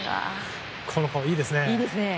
この顔いいですね。